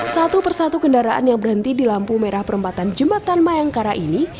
satu persatu kendaraan yang berhenti di lampu merah perempatan jembatan mayangkara ini